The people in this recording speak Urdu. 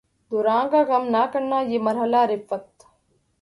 دوراں کا غم نہ کرنا، یہ مرحلہ ء رفعت